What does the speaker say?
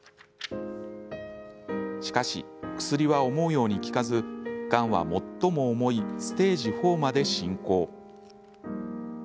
しかし、薬は思うように効かずがんは最も重いステージ４まで進行。